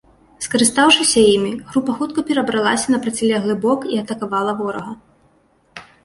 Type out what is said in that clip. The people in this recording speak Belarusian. Скарыстаўшыся ім, група хутка перабралася на процілеглы бок і атакавала ворага.